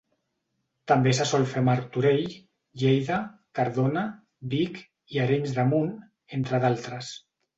També se sol fer a Martorell, Lleida, Cardona, Vic i Arenys de Munt, entre d'altres.